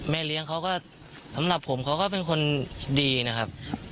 เลี้ยงเขาก็สำหรับผมเขาก็เป็นคนดีนะครับ